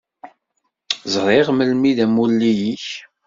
Zṛiɣ melmi i d amulli-ik.